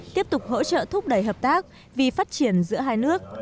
tiếp tục hỗ trợ thúc đẩy hợp tác vì phát triển giữa hai nước